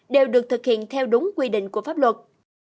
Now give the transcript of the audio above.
đều được thực hiện theo đúng quy định của pháp luật